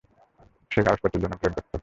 সে কাগজপত্রের জন্য প্রেম করতো।